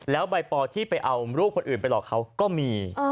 แล้วใบปอที่ไปเอารูปคนอื่นไปหลอกเขาก็มี